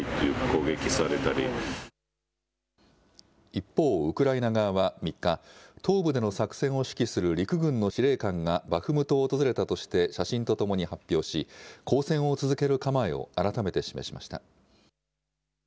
一方、ウクライナ側は３日、東部での作戦を指揮する陸軍の司令官がバフムトを訪れたとして写真とともに発表し、抗戦を続ける構えを改めて示しました。